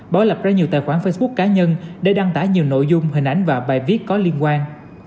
bỏ lập ra nhiều tài khoản facebook cá nhân để đăng tải nhiều nội dung hình ảnh và bài viết có liên quan